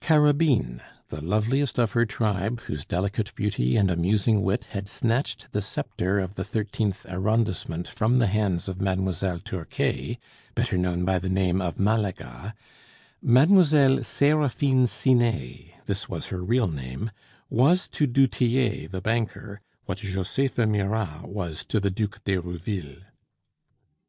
Carabine, the loveliest of her tribe, whose delicate beauty and amusing wit had snatched the sceptre of the Thirteenth Arrondissement from the hands of Mademoiselle Turquet, better known by the name of Malaga Mademoiselle Seraphine Sinet (this was her real name) was to du Tillet the banker what Josepha Mirah was to the Duc d'Herouville.